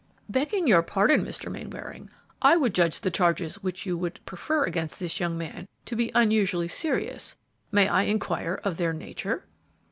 "Begging your pardon, Mr. Mainwaring, I would judge the charges which you would prefer against this young man to be unusually serious; may I inquire their nature?"